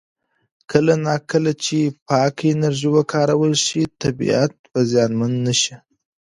کله نا کله چې پاکه انرژي وکارول شي، طبیعت به زیانمن نه شي.